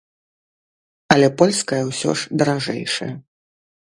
Але польская ўсё ж даражэйшая.